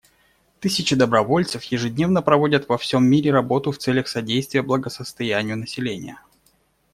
Тысячи добровольцев ежедневно проводят во всем мире работу в целях содействия благосостоянию населения.